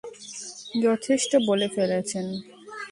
যথেষ্ট বলে ফেলেছেন!